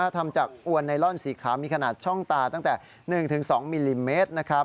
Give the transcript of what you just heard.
ทำจากอวนไนลอนสีขาวมีขนาดช่องตาตั้งแต่๑๒มิลลิเมตรนะครับ